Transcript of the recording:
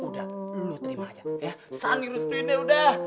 udah lo terima aja ya sani harus terima ya udah